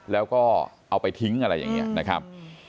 แล้วก็เอาไปทิ้งอะไรอย่างนี้นะครับ